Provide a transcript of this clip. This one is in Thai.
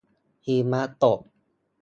หิมะตก